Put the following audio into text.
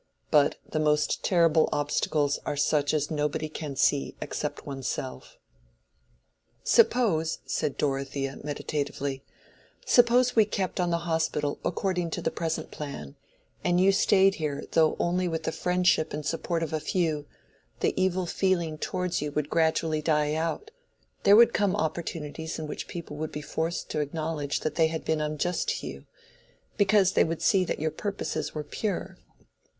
But the most terrible obstacles are such as nobody can see except oneself." "Suppose," said Dorothea, meditatively,—"suppose we kept on the Hospital according to the present plan, and you stayed here though only with the friendship and support of a few, the evil feeling towards you would gradually die out; there would come opportunities in which people would be forced to acknowledge that they had been unjust to you, because they would see that your purposes were pure.